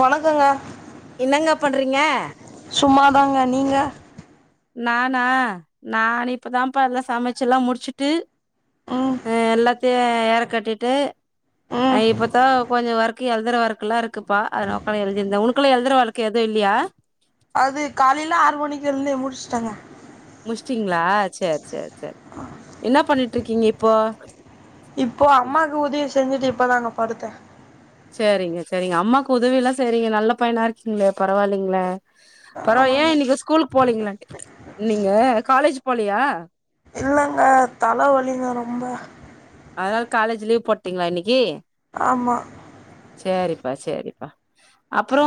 வணக்கொங்க என்னங்க பண்றீங்க சும்மாதாங்க நீங்க நானா நான் இப்பதான்ப்பா எல்லா சமைச்செல்லா முடிச்சுட்டு ம் ஆ எல்லாத்தையு ஏற கட்டிட்டு ஆ ம் இப்பத்தா கொஞ்சோ ஒர்க் கு எழுதுறவொர்க்கல்லா இருக்குப்பா அத நா ஒக்காந்து எழுதினுந்தே உன்க்குலா எழுதுற வொர்க் எது இல்லியா அது காலைல ஆறு மணிக்கு எழுதி முட்ச்ட்டங்க முஷ்டிங்ளா சேர் சேர் சேர் என்னா பண்ணிட்ருக்கீங்க இப்போ இப்போ அம்மாக்கு உதவி செஞ்சுட்டு இப்பதாங்க படுத்தே சேரிங்க சேரிங்க அம்மாக்கு உதவில்லா செய்றிங்க நல்ல பையனா இருக்கீங்ளே பரவால்லிங்ளே அப்றோ ஏ ஆமாங்க இன்னிக்கி ஸ்கூலுக்கு போலிங்ளா நீங்க காலேஜ் போலயா ஆ தல வலிங்க ரொம்ப அதனால காலேஜ் லீவ் போட்டீங்ளா இன்னக்கி ஆமா சேரிப்பா சேரிப்பா அப்றோ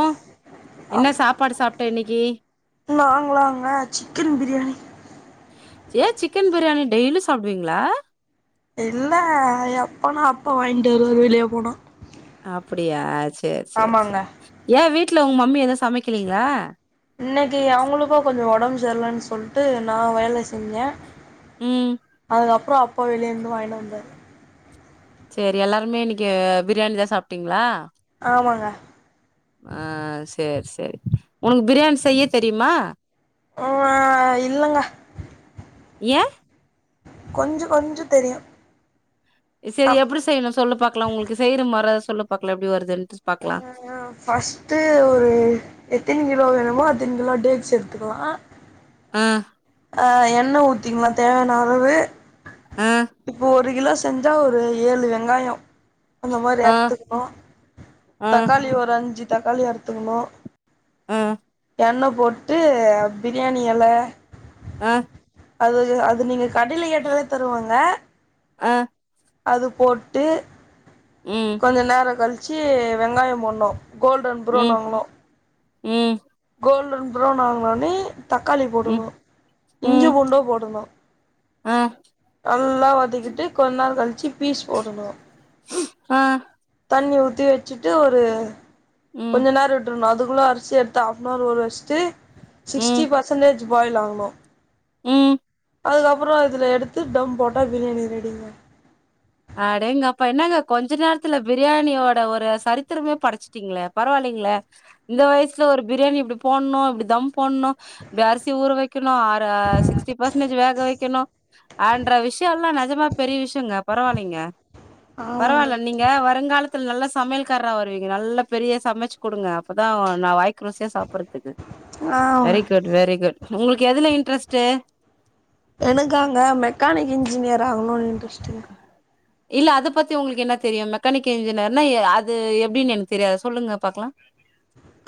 என்ன சாப்பாடு சாப்ட்ட இன்னக்கி நாங்ளாங்க சிக்கன் பிரியாணி சே சிக்கன் பிரியாணி டெய்லி சாப்டுவீங்களா இல்ல எப்பனா அப்பா வாய்ன்ட்டு வருவாரு வெளிய போனா அப்டியா சேர் சேர் ஆமாங்க சேர் ஏ வீட்ல உங் மம்மி எதுவு சமைக்கலீங்ளா இன்னக்கி அவுங்களுக்கு கொஞ்சோ ஒடம் சர்லன் சொல்ட்டு நா வேல செஞ்சே ம் அதுக்கப்றோ அப்பா வெளிய இருந்து வாய்ன்ட்டு வந்தாரு சேரி எல்லாருமே இன்னக்கி பிரியாணி தா சாப்ட்டீங்ளா ஆமாங்க ஆ சேர் சேரி ஒனக்கு பிரியாணி செய்ய தெரிமா ஓ வா இல்லங்க ஏ கொஞ்ச கொஞ்சோ தெரியு சேரி அப் எப்டி செய்ணு சொல்லு பாக்லா உங்ளுக்கு செய்ற மர சொல்லு பாக்லா எப்டி வருதுன்ட்டு பாக்லா ஃபர்ஸ்ட்டு ஒரு எத்தனி கிலோ வேணுமோ அத்தனி கிலோ டேக்ஸ் எடுத்துக்கலா ஆ ஆ எண்ண ஊத்திக்லா தேவயான அளவு ஆ இப்போ ஒரு கிலோ செஞ்சா ஒரு ஏழு வெங்காயோ அந்த மாரி ஆ அறுத்துக்ணு ஆ தக்காளி ஒரு அஞ்சு தக்காளி அறுத்துக்ணு ம் என்ன போட்டு பிரியாணி எல ஆ அதுது அது நீங்க கடைல கேட்டாலே தருவாங்க ஆ அது போட்டு ம் கொஞ்ச நேரோ கழ்ச்சு வெங்காயோ போட்னு கோல்டன் ப்ரவுன் ம் ஆகனு ம் கோல்டன் ப்ரவுன் ஆக்னோனே தக்காளி ம் போடணு இஞ்சி ம் பூண்டு போடணு ஆ நல்லா வதக்கிட்டு கொஞ்ச நேரங்கழிச்சு பீஸ் போடணு ஆ தண்ணி ஊத்தி வச்சுட்டு ஒரு ம் கொஞ்ச நேர விட் றனு அதுக்குள்ள அரிசி எடுத்து ஆஃப்நார் ஊர வச்சிட்டு சிக்ஸ்ட்டி ம் பெர்ஸன்ட்டேஜ் பாயில் ஆகணு ம் அதுக்கப்புற அதுல எடுத்து தம் போட்டா பிரியாணி ரெடிங்க அடேங்கப்பா என்னங்க கொஞ்ச நேரத்துல பிரியாணியோட ஒரு சரித்திரமே படச்சுட்டீங்களே பரவால்லைங்களே இந்த வயசுல ஒரு பிரியாணி இப்டி போண்ணு இப்டி தம் போண்ணு ப்டி அரிசி ஊர வைக்கணு அற சிக்ஸ்டி பர்சன்டேஜ் வேக வைக்கணு அன்ற விஷயம் எல்லா நஜமா பெரிய விஷயங்க பரவால்லைங்க ஆமாங்க பரவால்ல நீங் ங்க வருங்காலத்தில நல்ல சமையல்காரா வருவீங்க நல்ல பெரிய சமச்சு குடுங்க அப்பதா நா வாய் க்கு ருசியா சாப்டுறதுக்கு ஆ வெரி குட் வெரி குட் உங்களுக்கு எதுல இன்ட்ரெஸ்ட்டு எனக்காங்க மெக்கானிக் இன்ஜினியர் ஆகணுன் இன்ட்ரெஸ்ட்டுங்க இல்ல அதை பத்தி உங்களுக்கு என்ன தெரியு மெக்கானிக் இன்ஜினியர்னா அது எப்டின்னு எனக்கு தெரியாது சொல்லுங்க பாக்கலா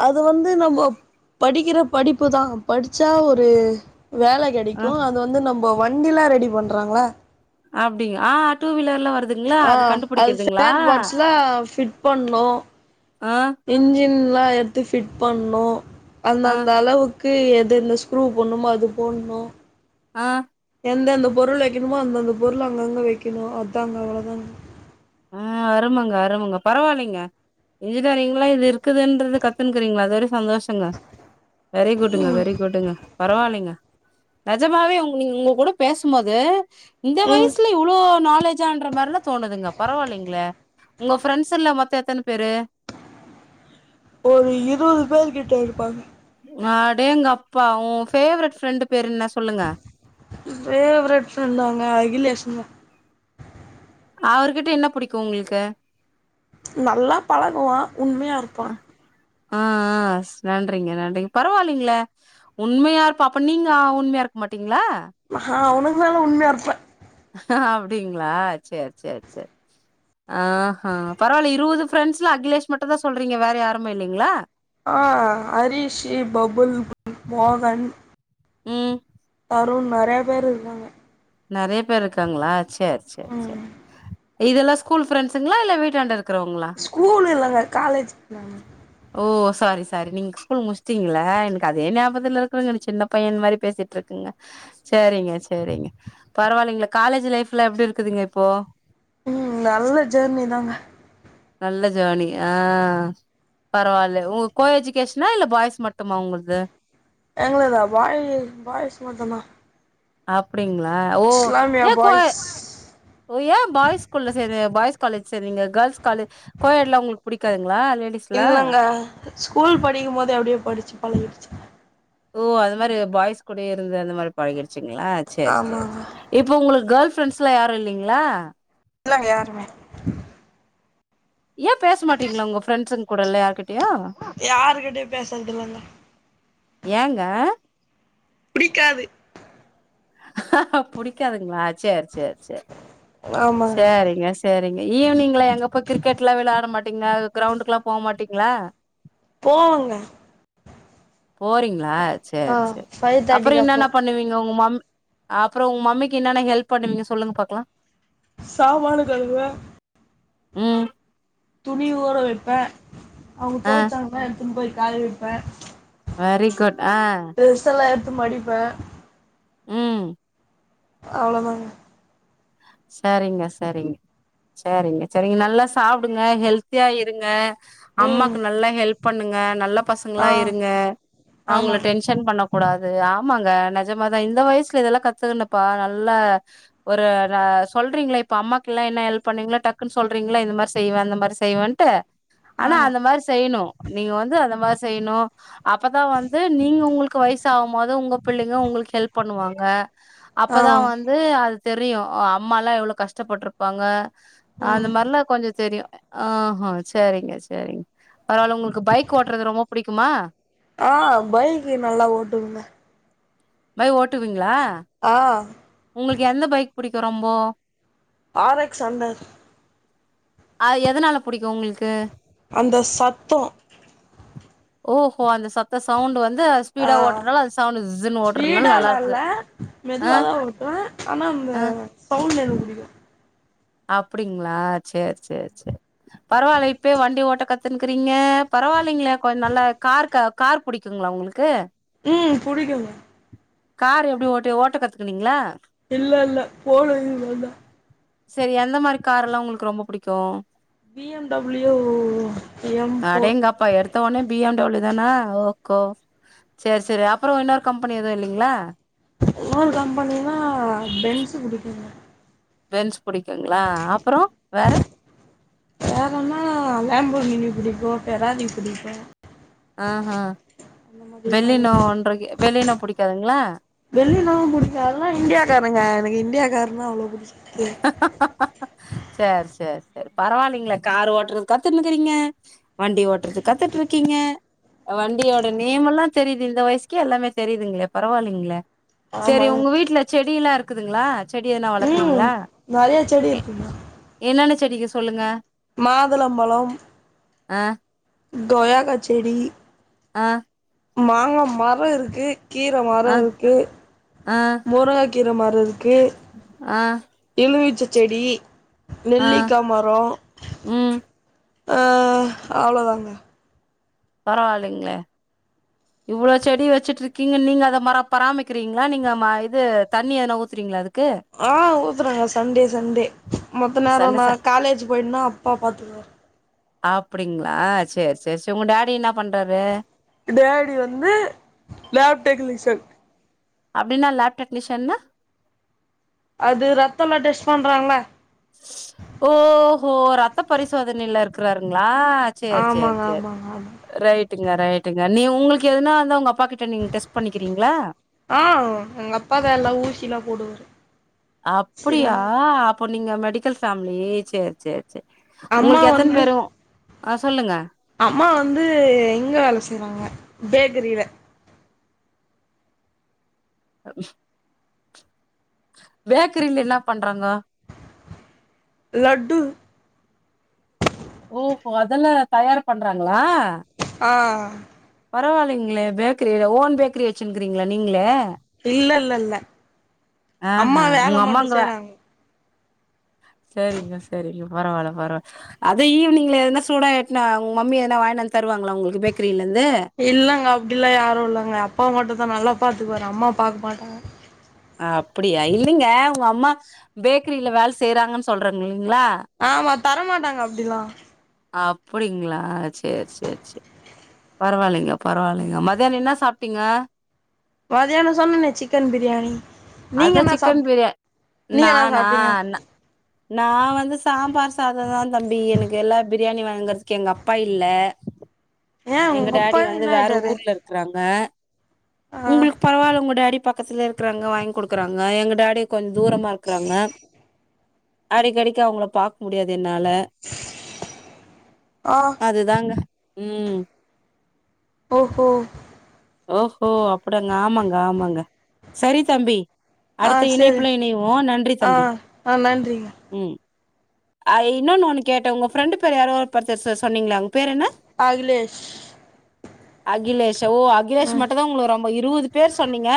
அது வந்து நம்ம படிக்கிற படிப்பு தா படிச்சா ஒரு வேலை ஆ கிடைக்கு அது வந்து நம்ப வண்டிலா ரெடி பண்றாங்களா அப்டிங் ஆ டூ வீலர்லா வருது ஆ அது ஃபேர்பாட்ஸ்லா ஃபிட் பண்ணு ஆ இன்ஜின்லா எட்த்து ஃபிட் பண்ணு அந்த ஆ அந்த அளவுக் கு எது இந்த ஸ்க்ரூ போண்ணுமோ அது போண்ணு ஆ எந்தெந்த பொருள் வைக்கணுமோ அந்தந்த பொருள் அங்கங்க வைக்கணு அதாங்க அவ்ளோதாங்க ஆ அருமங்க அருமங்க பரவால்லைங்க இன்ஜினியரிங்ல இது இருக்குதுன்றது கத்துன்னுக்கிறீங்கள அது வரை சந்தோஷங்க வெரி குட்டுங்க வெரி குட்டுங்க பரவால்லைங்க நெஜமாவே உங்க நீ உங்க கூட பேசும்போது இந்த ம் வயசுல இவ்ளோ நாலேஜான்ற மாத்ரிலா தோணுதுங்க பரவால்லைங்களே உங்க ஃப்ரெண்ட்ஸ் எல்லா மொத்த எத்தன பேரு ஒரு இருவது பேர்க்கிட்ட இருப்பாங்க அடேங்கப்பா உன் ஃபேவரட் ஃப்ரெண்டு் பேரு என்ன சொல்லுங்க ஃபேவரட் ப்ரண்டாங்க அகிலேஷ்ங்க அவர்கிட்ட என்ன புடிக்கு உங்களுக்கு நல்லா பழகுவா உண்மையா அ இருப்பான் ஆ ஆ நன்றிங்க நன்றிங்க பரவால்லைங்களே உண்மையா இருப்பா அப்ப நீங்க அ உண்மையா இருக்க மாட்டீங்களா நா அவனுக்கு மேல உண்மையா இருப்பே அப்டிங்களா சேர் சேர் சேர் ஆஹா பரவால்ல இருவது ஃப்ரெண்ட்ஸ்ல அகிலேஷ் மட்டுந்தா சொல்றீங்க வேற யாருமே இல்லைங்களா ஆ ஹரிஷி பபுல் மோகன் ம் வருன் நறைய பேர் இருக்காங்க நறைய பேர் இருக்காங்களா சேர் சேர் சேர் ம் இதெல்லா ஸ்கூல் ஃப்ரெண்ட்ஸுங்ளா இல்ல வீட்டாண்ட இருக்கிறவங்களா ஸ்கூல் இல்லங்க காலேஜ்ங்க ஓ சாரி சாரிங் நீங் ஸ்கூல் முடிஸ்ட்டீங்கள எனக்கு அதே ஞாபத்துல இருக்கறங்க சின்ன பையன் மாரி பேசிட் ருக்குங்க சேரிங்க சேரிங்க பரவால்லைங்கள காலேஜ் லைஃப்ல எப்டி இருக்குதுங்க இப்போ ம் நல்ல ஜேர்னி தாங்க நல்ல ஜேர்னி ஆ பரவாயில்ல உங்க கோ எஜ்கேஷனா இல்ல பாய்ஸ் மட்டுமா உங்கள்து எங்களதா பாய் பாய்ஸ் மட்டுதா அப்டிங்களா ஓ இஸ்லாமியா ஏ கோ பாய்ஸ் ஓ ஏ பாய்ஸ்கூல்ல சேர பாய்ஸ் காலேஜ் சேரீங்க கேர்ள்ஸ் காலேஜ் கோயெட்லா உங்களுக்கு புடிக்காதுங்களா லேடிஸ் இல்லங்க ஸ்கூல் படிக்கும் போதே அப்டே படிச்சு பழகிடுச்சு ஓ அது மாரி பாய்ஸ் கூடயே இருந்து அந்த மாரி பழகிடுச்சுங்களா சேர் சேர் ஆமாங்க இப்ப உங்களுக்கு கேர்ள் ஃப்ரெண்ட்ஸ்ல்லா யாரு இல்லைங்களா இல்லங்க யாருமே ஏ பேச மாட்டீங்ளா உங்க ஃப்ரெண்ட்சுங்கூடல்லா யார்க்கிட்டயு யார்கிட்டயு பேசறதில்லங்க ஏங்க பிடிக்காது புடிக்காதுங்ளா சேர் சேர் சேர் ஆமாங்க சேரிங்க சேரிங்க ஈவ்னிங்ல எங்கப்போ கிரிக்கெட்லா விளையாட மாட்டீங்களா கிரௌண்டுக்குல்லா போமாட்டீங்களா போவங்க போறீங்களா ஆ சேரி சேரி ஃபைவ் அப்பறோ தேர்ட்டிக்கு என்னென்ன அப்றோ பண்ணுவீங்க உங்க மம் அப்பறோ உங்க மம்மிக்கு என்னன்னா ஹெல்ப் பண்ணுவீங்க சொல்லுங்க பாக்கலா சாமான்னு கலுவுவ ம் துணி ஊற வைப்ப அவுங்க ஆ தோவ்ச்சாங்கனா எடுத்துன்னு போய் காய வெப்ப வெரி குட் ஆ ட்ரஸ் எல்லா எடுத்து மடிப்ப ம் அவ்ளோதாங்க சேரிங்க சேரிங்க சேரிங்க சேரிங்க நல்லா சாப்டுங்க ஹெல்த்தியா இருங்க ம் அம்மாக்கு நல்லா ஹெல்ப் பண்ணுங்க நல்ல ஆ பசங்களா இருங்க அவுங்கள ஆமாங்க டென்ச சன் பண்ண கூடாது ஆமாங்க நெஜமாதா இந்த வயசுல இதெல்லா கத்துக்குன்னுப்பா நல்ல ஒரு இல்ல சொல்றீங்கள இப்ப அம்மாக்குல்லா என்ன ஹெல்ப் பண்ணீவீங்களௌ டக்குன்னு சொல்றீங்கள இந்த மாரி செய்வன் அந்த மாரி செய்வேன்ட்டு ஆனா ஆமா அந்த மாரி செய்யணு நீங்க வந்து அந்த மாரி செய்யணு அப்பதா வந்து நீங்க உங்களுக்கு வயசு ஆவும்போது உங்க பிள்ளைங்க உங்களுக்கு ஹெல்ப் பண்ணுவாங்க அப்பதா ஆமாங்க வந்து அது தெரியு ஓ அம்மாலா எவ்ளோ கஷ்டப்பட்ருப்பாங்க அந்த ம் மாரிலா கொஞ்சோ தெரியு ஆஹா சேரிங்க சேரிங்க பரவால உங்களுக்கு பைக் ஓட்டுறது ரொம்ப புடிக்குமா ஆ பைக்கு நல்லா ஓட்டுவங்க பை ஓட்டுவீங்களா ஆ உங்களுக்கு எந்த பைக் புடிக்கு ரொம்போ ஆரெக்ஸ்வண்டர் அது எதனால புடிக்கு உங்களுக்கு அந்த சத்தோ ஓஹோ அந்த சத்த சவுண்டு வந்து ஆ ஸ்பீடா ஓட்றனால அது சவுண்ட் ஜிஸ்ன்னு ஓட்றனால நல்லா ஸ்பீடால்லா இருக்குது இல்ல ஆ மெதுவாதா ஓட்டுவன் ஆனா அந்த ஆ சவுண்டு எனக்கு புடிக்கு அப்டிங்ளா சேரி சேரி சேரி பரவால்ல இப்பயே வண்டி ஓட்ட கத்துன்னுக்கிறீங்க பரவால்லைங்ளே கொஞ்சோ நல்ல கார் கார் புடிக்குங்ளா உங்களுக்கு ம் புடிக்குங்க கார் எப்டி ஓட்ட ஓட்ட கத்துக்குனீங்ளா இல்ல இல்ல போன லீவ்ந்தா சரி எந்த மாரி கார் எல்லா உங்களுக்கு ரொம்ப புடிக்கு B M W, M four அப்பா எடுத்த ஒன்னே பி எம் டபிள்யூதானா ஓகோ சேர் சேரி அப்றோ இன்னொரு கம்பெனி எதுவு இல்லைங்ளா இன்னொரு கம்பெனினா பென்ஸு புடிக்குங்க பென்ஸ் புடிக்குங்ளா அப்றோ வேற வேறனா லேம்போ மினி புடிக்கு பெராரி புடிக்கு ஆ அந்த மாதிரி நெறைய பெள்ளினோஒன்றைக் பெள்ளினோ புடிக்காதுங்ளா பெள்ளினோ புடிக்கா அதெல்லா இந்தியாக்காருங்க எனக்கு இந்தியாக்காருனா அவ்ளவு புடிச்சுக்கே சேரி சேரி சேரி பரவாலைங்ளே காரு ஓட்டறது கத்துன்னுக்கறீங்க வண்டி ஓட்டறது கத்துட்டு இருக்கீங்க வண்டியோட நேம் எல்லா தெரிது இந்த வயசுக்கே எல்லாமே தெரிதுங்ளே பரவால்லைங்ளே சேரி ஆமாங்க உங்க வீட்ல செடியெல்லா இருக்குதுங்ளா செடியென்னு வளக்குறீங்ளா நெறையா செடி இருக்குங்க என்னென்ன செடிக சொல்லுங்க மாதுளம்பழம் அ கொயாக்கா செடி அ மாங்க மரோ இருக்கு கீர மரோ ஆ இருக்கு முருங் கீர மரோ இருக்கு அ எலுமிச்ச செடி ஆ நெல்லிக்கா மரோ ம் அ அவ்ளதாங்க பரவாலைங்ளே இவ்ளோ செடி வெச்சுட்டு இருக்கீங்க நீங்க அத மரோ பராமக்கிங்ளா நீங்க ம இது தண்ணி எதனா ஊத்தறீங்ளா அது ஆ ஊத்தறங்க சண்டே சண்டே மத்த நேரோ சண்ட நா ச காலேஜ் போய்டனா அப்பா பாத்துக்குவாரு அப்டிங்ளா சேரி சேரி சேரி உங்க டாடி என்ன பண்றாரு டேடி வந்து லேப் டெக்னீஷன் அப்டினா லேப் டெக்னிஷன்னா அது ரத்தெல்லா டெஸ்ட் பண்றாங்ள ஓஹோ ரத்த பரிசோதனைல இருக்கிறாருங்ளா சேரி சேரி ஆமாங்க சேரி ஆமாங்க ஆமா ரைட்டுங்க ரைட்டுங்க நீ உங்களுக்கு எதுனா வந்தா உங்க அப்பா கிட்ட நீங் டெஸ்ட் பண்ணிக்கிறீங்ளா ஆ எங்க அப்பாதா எல்லா ஊசி எல்லா போடுவாரு சில அப்டியா நேர அப்போ நீங்க மெடிக்கல் ஃபேம்லி சேர் சேர் சேர் அம்மா உங்களுக்கு எத்தன வந்து பேரு ஆ சொல்லுங்க அம்மா வந்து இங்க வேல செய்றாங்க பேக்கரில அ பேக்ரில என்ன பண்றாங்க லட்டு ஓஹோ அதெல்லா தயார் பண்றாங்களா ஆ பரவால்லைங்ளே பேக்ரில ஓன் பேக்ரி வச்சுன்க்கிறீங்ளா நீங்ளே இல்ல இல்ல இல்ல ஆஹா அம்மா வேல உங்க மட்டு அம்மாங்க செய்றாங்க செரிங்க செரிங்க பரவால்ல பரவா அது ஈவ்னிங்ல எதுனா சூடா எட்துனு உங்க மம்மி எதனா வாய்ன்டு வந்து தருவாங்ளா உங்களுக்கு பேக்ரில இருந்து இல்லங்க அப்டிலா யாரு இல்லங்க எங்கப்பா மட்டு தா நல்லா பாத்துக்குவாரு அம்மா பாக்க மாட்டாங்க அப்டியா இல்லைங்க ஒங்க அம்மா பேக்ரில வேல செய்யறாங்கன் சொல்றாங்க இல்லைங்ளா ஆமா தரமாட்டாங்க அப்டிலா அப்டிங்ளா சேரி சேரி சேரி பரவால்லைங்க பரவால்லைங்க மதியான என்ன சாப்ட்டிங்க மதியான சொன்னனே சிக்கன் பிரியாணி நீங்க அதா என்ன சிக்கன் சாப்ட் பிரியா நீங்க என்ன நானா சாப்ட்டீங்க நா நா வந்து சாம்பார் சாதந்தா தம்பி எனக்கெல்லா பிரியாணி வாங்கற்துக்கு எங்க அப்பா இல்ல ஏ எங்க உங்க அப்பா டாடி வந்து என்ன வேற ஆயிட்டாரு ஊர்ல இருக் இருக்கறாங்க ஆ உங்களுக்கு பரவால்ல உங்க டாடி பக்கத்துல இருக்கிறாங்க வாங்கி குடுக்குறாங்க எங்க டாடி கொஞ்ச தூரமா இருக்குறாங்க அடிக்கடிக்க அவ்ங்கள பாக்க முடியாது என்னால ஆ அதுதாங்க ம் ஓஹோ ஓஹோ அப்ப்டங்க ஆமாங்க ஆமாங்க சரி தம்பி ஆ அடுத்த சேரி இணைப்புல இணைவோ நன்றி ஆ தம்பி ஆ நன்றிங்க ம் ஆ இன்னொன்னு ஒன்னு கேட்டே ஒங்க ஃப்ரெண்டு பேரு யாரோ ஒருத்தர் பர் பேர் சொன்னீங்ளே அவ்ங்க பேர் என் அகிலேஷ் அகிலேஷ் ஓ அகிலேஷ் ஆ மட்டுந்தா ஒங்களுக்கு ரொம்ப இருவது பேர் சொன்னீங்க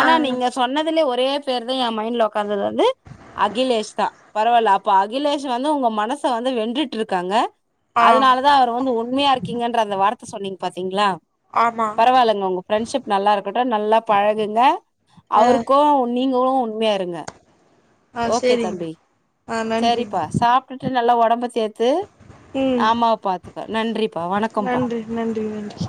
ஆ நீங்க சொன்னதுலே ஒரே பேர்தே எ மைண்ட்ல உக்காந்ததுலருந்து அகிலேஷ் தா பரவால்ல அப்போ அகிலேஷ் வந்து ஒங்க மனச வந்து வென்றுட்ருக்காங்க ஆ அதனாலதா அவர வந்து உண்மையா இருக்கீங்கன்ற அந்த வார்த்த சொன்னீங்க பாத்தீங்ளா ஆமா வால்லங்க உங்க ஃபிரெண்ட்ஷிப் நல்லா இருக்கட்டு நல்லா பழகுங்க ஆ அவருக்கு நீங்களு உண் மையா இருங்க ஆ ஓகே சேரிங்க தம்பி ஆ நன்றிங்க சேரிப்பா சாப் டுட்டு நல்லா ஒடம்ப தேத்து ஆ ம் அம்மாவ பாத்துக்க நன்றிப்பா வணக்கம்ப்பா நன்றி நன்றி நன்றி